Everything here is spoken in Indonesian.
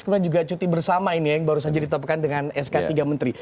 kemudian juga cuti bersama ini yang baru saja ditemukan dengan sktiga menteri